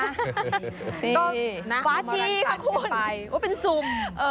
นี่นักธรรมรัชกรรมเป็นไปว่าเป็นซุม